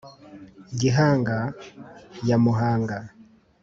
gihanga ya muhanga